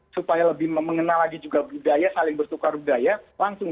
supaya lebih mengenal lagi juga budaya saling bertukar budaya langsung